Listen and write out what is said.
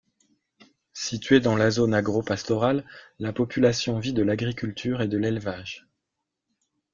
Située dans la zone agropastorale, la population vit de l'agriculture et de l'élevage.